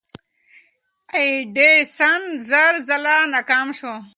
ایډیسن زر ځله ناکام شو.